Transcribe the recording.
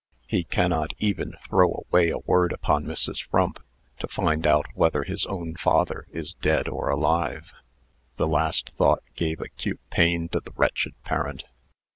He cannot even throw away a word upon Mrs. Frump, to find out whether his own father is dead or alive." The last thought gave acute pain to the wretched parent.